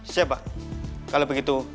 siap pak kalau begitu